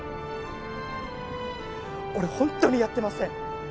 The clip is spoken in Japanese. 俺本当にやってません。